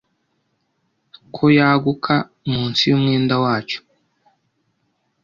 ko yaguka munsi yumwenda wacyo